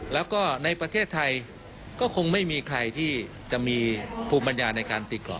แล้วก็ในประเทศไทยก็คงไม่มีใครที่จะมีภูมิปัญญาในการตีกรอบ